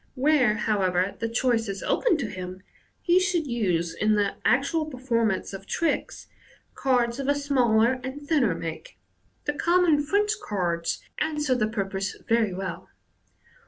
Where, how ever, the choice is open to him, he should use in the actual perform 12 MODERN MAGIC, anoe of tricks, cards of a smaller and thinner make. The common French cards answer the purpose very well.